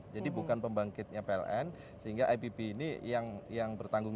dan ini sekali lagi ini adalah